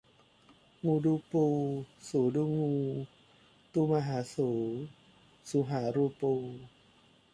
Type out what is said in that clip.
งูดูปู สูดูงู ตูมาหาสู สูหารูปู